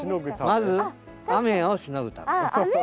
まず雨をしのぐため。